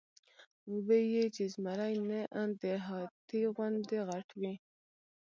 وې ئې چې زمرے نۀ د هاتي غوندې غټ وي ،